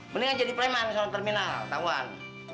mendingan jadi preman di salon terminal tau kan